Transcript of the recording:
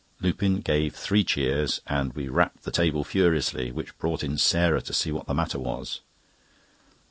Lupin gave three cheers, and we rapped the table furiously, which brought in Sarah to see what the matter was.